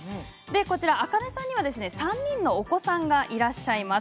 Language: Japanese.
あかねさんには３人のお子さんがいらっしゃいます。